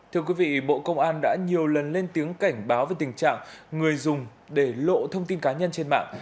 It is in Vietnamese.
thưa quý vị bộ công an đã nhiều lần lên tiếng cảnh báo về tình trạng người dùng để lộ thông tin cá nhân trên mạng